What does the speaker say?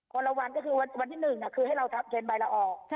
คนละวันก็คือวันที่หนึ่งคือให้เราทำเซ็นไบละออก